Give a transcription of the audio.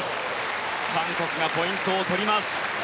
韓国がポイントを取ります。